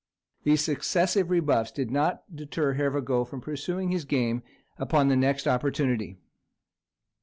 These successive rebuffs did not deter Hervagault from pursuing his game upon the next opportunity.